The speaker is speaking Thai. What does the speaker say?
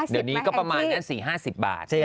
เดี๋ยวนี้ก็ประมาณนั้น๔๕๐บาท